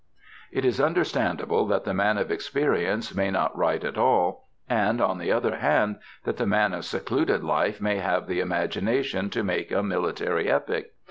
It is understandable that the man of experience may not write at all, and, on the other hand, that the man of secluded life may have the imagination to make a military epic.